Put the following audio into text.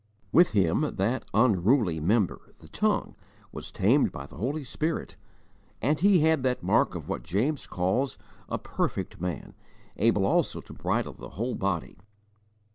With him that unruly member, the tongue, was tamed by the Holy Spirit, and he had that mark of what James calls a 'perfect man, able also to bridle the whole body.'